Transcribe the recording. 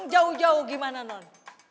jauh jauh gimana non